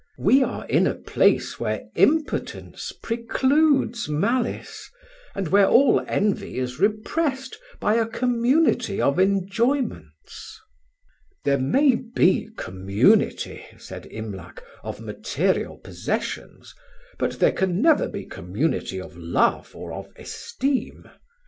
We are in a place where impotence precludes malice, and where all envy is repressed by community of enjoyments." "There may be community," said Imlac, "of material possessions, but there can never be community of love or of esteem.